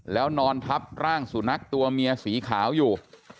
แล้วนอนทับร่างสุนัขตัวเมียสีขาวอยู่